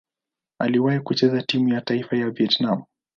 Aliwahi kucheza timu ya taifa ya Vietnam.